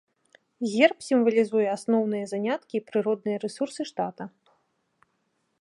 Герб сімвалізуе асноўныя заняткі і прыродныя рэсурсы штата.